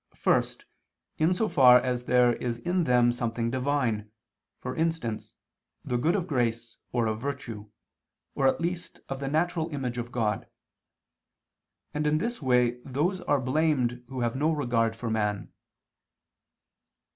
First in so far as there is in them something divine, for instance, the good of grace or of virtue, or at least of the natural image of God: and in this way those are blamed who have no regard for man.